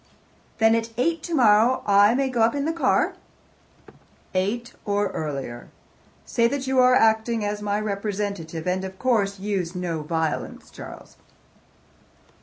"Then at eight tomorrow I may go up in the car?" "Eight or earlier. Say that you are acting as my representative, and, of course, use no violence, Charles."